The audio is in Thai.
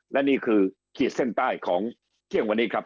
และนี่คือขีดเส้นใต้ของเที่ยงวันนี้ครับ